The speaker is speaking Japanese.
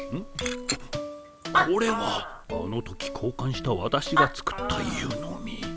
これはあの時こうかんしたわたしが作った湯飲み。